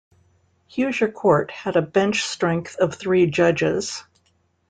Huzur Court had a bench strength of three judges.